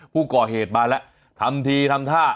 ผู้ก่อเหตุมาแล้วทำทีทำท่า